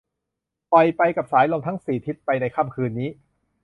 ปล่อยไปกับสายลมทั้งสี่ทิศไปในค่ำคืนนี้